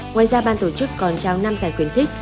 ngoài ra ban tổ chức còn trao năm giải quyến thích